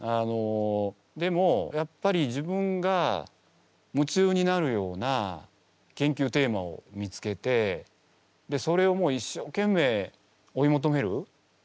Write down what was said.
でもやっぱり自分が夢中になるような研究テーマを見つけてそれを一生懸命追い求める。